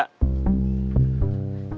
dia itu legenda